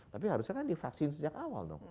tapi harusnya kan divaksin sejak awal dong